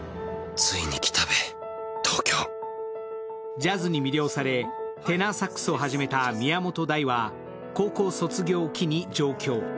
ジャズに魅了されテナーサックスを始めた宮本大は高校卒業を機に上京。